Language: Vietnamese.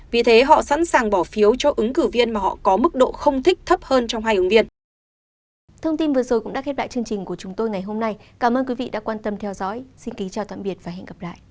vì thế họ sẵn sàng bỏ phiếu cho ứng cử viên mà họ có mức độ không thích thấp hơn trong hai ứng viên